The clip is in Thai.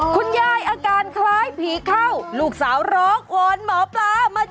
คุณย่ายอาการคล้ายผีเข้า